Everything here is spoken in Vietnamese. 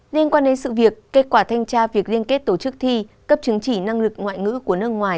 liên quan đến sự việc kết quả thanh tra việc liên kết tổ chức thi cấp chứng chỉ năng lực ngoại ngữ của nước ngoài